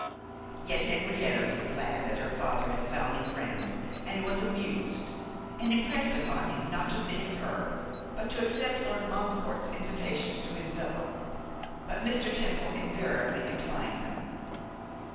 Yet Henrietta was glad that her father had found a friend and was amused, and impressed upon him not to think of her, but to accept Lord Montfort's invitations to his villa. But Mr. Temple invariably declined them.